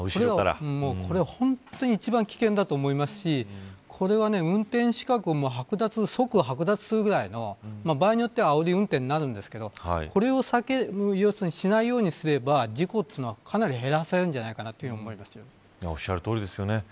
これが本当に一番危険だと思いますしこれは運転資格即はく奪するぐらいの場合によってはあおり運転になるんですがこれをしないようにすれば事故というのはかなり減らせるんじゃないかとおっしゃるとおりですよね。